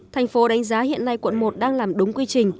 thành phố đánh giá hiện nay quận một đang làm đúng quy trình